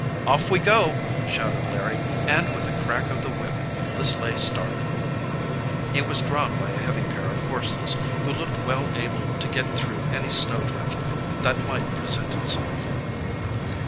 "Off we go!" shouted Larry, and with a crack of the whip the sleigh started. It was drawn by a heavy pair of horses, who looked well able to get through any snowdrift that might present itself.